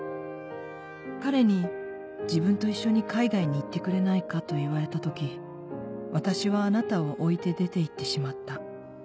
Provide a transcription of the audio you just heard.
彼に自分と一緒に海外に行ってくれないかと言われた時あたしはあなたを置いて出て行ってしまった。